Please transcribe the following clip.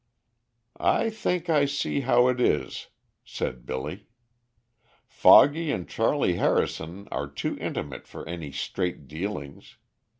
"I think I see how it is," said Billy. "Foggy and Charley Harrison are too intimate for any straight dealings.